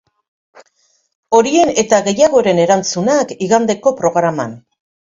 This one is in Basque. Horien eta gehiagoren erantzunak, igandeko programan.